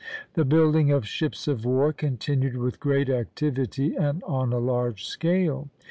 The building of ships of war continued with great activity and on a large scale.